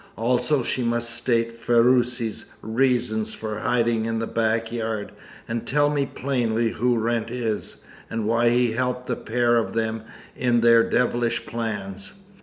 Also she must state Ferruci's reason for hiding in the back yard, and tell me plainly who Wrent is, and why he helped the pair of them in their devilish plans.